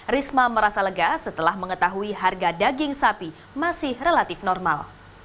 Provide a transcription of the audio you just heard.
risma merasa lega setelah mengetahui harga daging sapi masih relatif normal